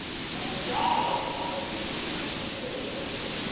a garland on each tree appears.